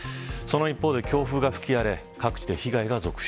その一方で強風が吹き荒れ各地で被害が続出。